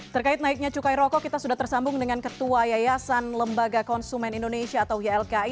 terkait naiknya cukai rokok kita sudah tersambung dengan ketua yayasan lembaga konsumen indonesia atau ylki